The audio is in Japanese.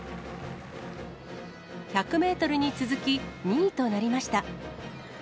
１００メートルに続き、２位となりました。